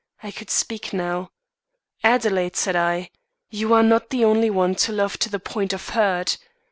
I could speak now. 'Adelaide,' said I, 'you are not the only one to love to the point of hurt.